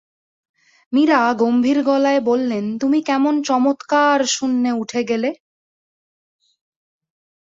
মীরা গম্ভীর গলায় বললেন, তুমি কেমন চমৎকার শূন্যে উঠে গেলো!